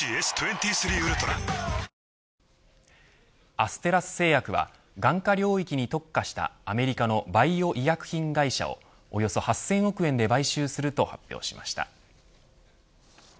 アステラス製薬は眼科領域に特化したアメリカのバイオ医薬品会社をおよそ８０００億円で買収すると発表しました。